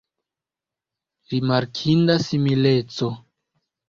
Rimarkinda simileco!